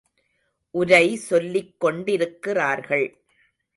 உரை சொல்லிக் கொண்டிருக்கிறார்கள்.